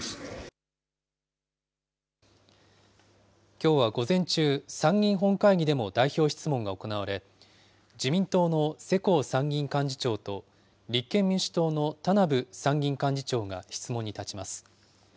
きょうは午前中、参議院本会議でも代表質問が行われ、自民党の世耕参議院幹事長と、立憲民主党の田名部参議院幹事長が質問に立ちます。